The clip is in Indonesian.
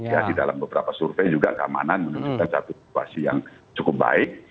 ya di dalam beberapa survei juga keamanan menunjukkan satu situasi yang cukup baik